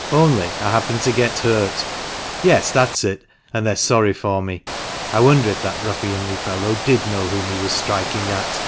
Only, I happened to get hurt. Yes, that's it! And they are sorry for me. I wonder if that ruffianly fellow did know whom he was striking at?